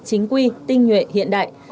chính quy tinh nhuệ hiện đại